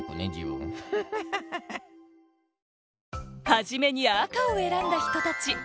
はじめにあかをえらんだ人たち。